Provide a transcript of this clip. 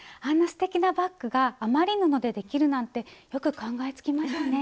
すてきなバッグが余り布でできるなんてよく考えつきましたね。